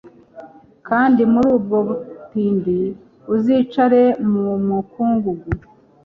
kandi muri ubwo butindi, uzicare mu mukungugu